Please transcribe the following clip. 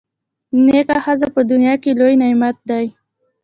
نېکه ښځه په دنیا کي لوی نعمت دی.